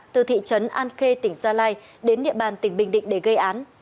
từ thị trấn an khê tỉnh gia lai đến địa bàn tỉnh bình định để gây án